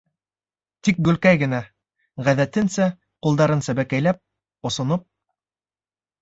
Тик Гөлкәй генә, ғәҙәтенсә, ҡулдарын сәбәкәйләп, осоноп: